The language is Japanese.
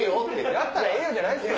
「やったらええよ」じゃないっすよ。